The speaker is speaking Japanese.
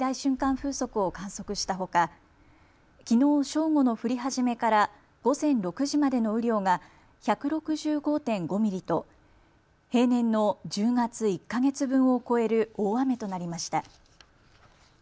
風速を観測したほかきのう正午の降り始めから午前６時までの雨量が１６５．５ミリと平年の１０月１か月分を超える大雨となりました。